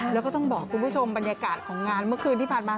แล้วก็ต้องบอกคุณผู้ชมบรรยากาศของงานเมื่อคืนที่ผ่านมา